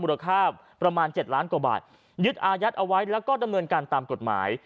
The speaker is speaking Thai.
ราคาประมาณ๗ล้านกว่าบาทยึดอายัดเอาไว้แล้วก็ดำเนินการตามกฎหมาย